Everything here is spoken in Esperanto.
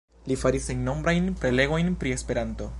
Li faris sennombrajn prelegojn pri Esperanto.